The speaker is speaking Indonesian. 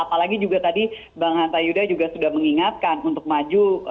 apalagi juga tadi bang hanta yuda sudah mengingatkan untuk maju di field press